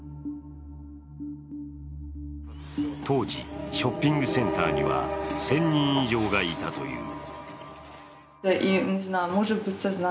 当時、ショッピングセンターには１０００人以上がいたという。